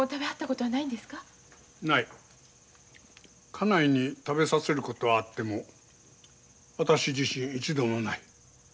家内に食べさせることはあっても私自身一度もない。